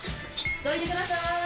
どいてくださーい。